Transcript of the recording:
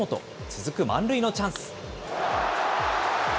続く満塁のチャンス。